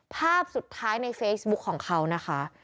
ภาพสุดท้ายในเฟซบุ๊คของเขานะคะ